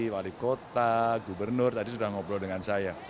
wali kota gubernur tadi sudah ngobrol dengan saya